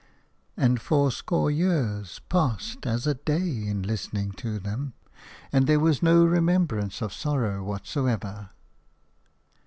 And fourscore years passed as a day in listening to them, and there was no remembrance of sorrow whatsoever."